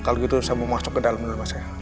kalau gitu saya mau masuk ke dalam rumah saya